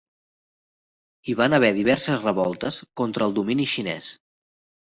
Hi van haver diverses revoltes contra el domini xinès.